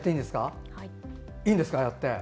いいんですか、やっても？